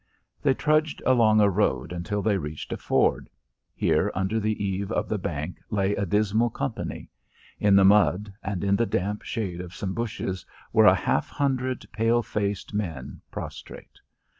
They trudged along a road until they reached a ford. Here under the eave of the bank lay a dismal company. In the mud and in the damp shade of some bushes were a half hundred pale faced men prostrate.